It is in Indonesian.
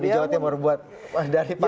di jawa timur buat dari partai gerindra